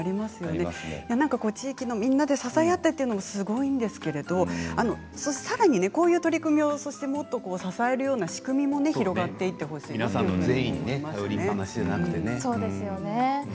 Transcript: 地域のみんなで支え合ってということもすごいんですけれどさらに、こういった支えるような仕組みも広がっていってほしいなと思いますね。